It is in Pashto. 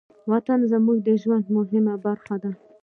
وطن زموږ د ژوند مهمه برخه ده.